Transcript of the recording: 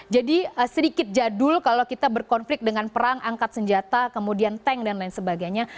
jadi sedikit jadul kalau kita berkonflik dengan perang angkat senjata kemudian tank dan lain sebagainya